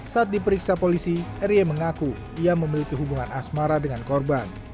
saat diperiksa polisi r i e mengaku ia memiliki hubungan asmara dengan korban